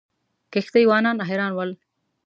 کښتۍ وانان حیران ول.